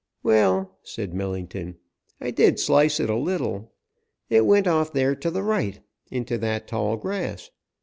"Well," said Millington, "I did slice it a little. It went off there to the right, into that tall grass.